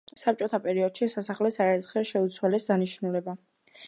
საბჭოთა პერიოდში სასახლეს არაერთხელ შეუცვალეს დანიშნულება.